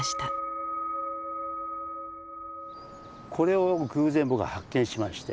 これを偶然僕は発見しまして。